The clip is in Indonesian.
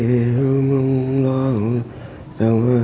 akum yuk lah pulang lah